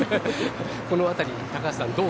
この辺り、高橋さん